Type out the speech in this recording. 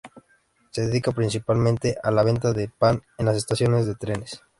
Se dedica principalmente a la venta de pan en las estaciones de trenes.